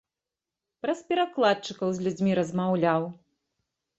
Праз перакладчыкаў з людзьмі размаўляў.